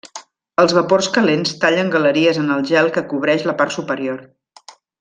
Els vapors calents tallen galeries en el gel que cobreix la part superior.